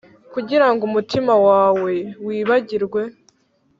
kugira ngo umutima wawe wibagirwe,